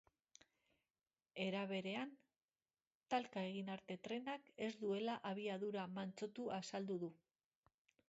Era berean, talka egin arte trenak ez duela abiadura mantsotu azaldu du.